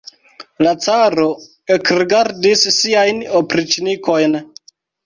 La caro ekrigardis siajn opriĉnikojn.